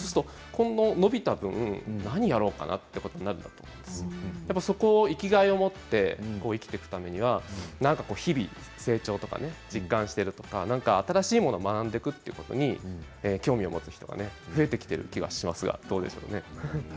伸びた分、何をやろうかなとそこを生きがいを持って生きていくためには日々成長を実感していく新しいものを学んでいくということに興味を持つ人が増えている気がします。